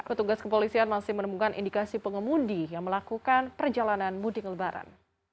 petugas kepolisian masih menemukan indikasi pengemudi yang melakukan perjalanan mudik lebaran